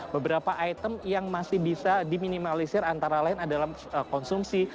beberapa item yang masih bisa diminimalisir antara lain adalah konsumsi